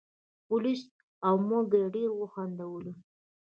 پولیس او موږ یې ډېر وخندولو.